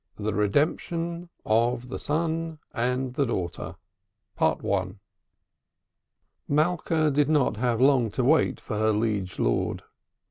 THE REDEMPTION OF THE SON AND THE DAUGHTER. Malka did not have long to wait for her liege lord.